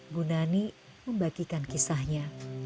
bu nani membagikan kisahnya